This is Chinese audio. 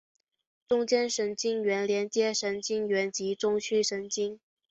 中间神经元连接神经元及中枢神经。